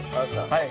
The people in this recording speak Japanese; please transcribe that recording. はい。